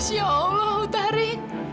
masya allah utari